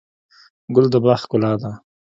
ګل د باغ ښکلا ده.